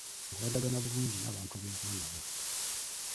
Nkwatagana bulungi n'abantu be nkola nabo.